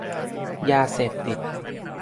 ยาเสพติด